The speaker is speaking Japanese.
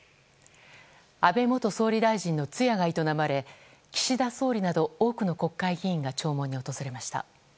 安倍元総理大臣の通夜が営まれ岸田総理など多くの国会議員が弔問に訪れました。